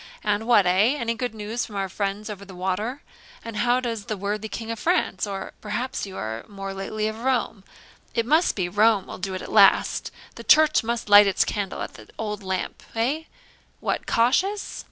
And, what eh! any good news from our friends over the water? and how does the worthy King of France? Or perhaps you are more lately from Rome? it must be Rome will do it at last the church must light its candle at the old lamp. Eh what, cautious?